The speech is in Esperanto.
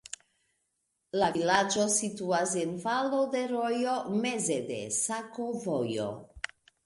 La vilaĝo situas en valo de rojo, meze de sakovojo.